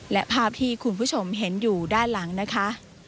และภาพที่คุณผู้ชมเห็นอยู่ด้านหลังนะคะ